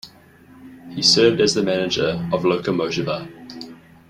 He served as the manager of Lokomotiva.